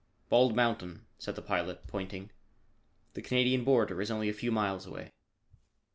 "Bald Mountain," said the pilot, pointing. "The Canadian Border is only a few miles away."